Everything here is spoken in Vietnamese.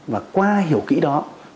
và qua hiểu kỹ đó